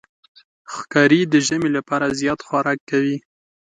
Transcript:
ښکاري د ژمي لپاره زیات خوراک کوي.